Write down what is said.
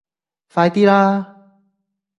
快啲啦